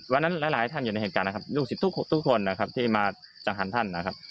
หลายหลายท่านอยู่ในเหตุการณ์นะครับลูกศิษย์ทุกคนนะครับที่มาสังหารท่านนะครับ